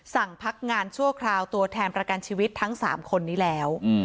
สั่งพักงานชั่วคราวตัวแทนประกันชีวิตทั้ง๓คนนี้แล้ว